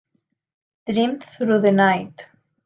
Dream through the night.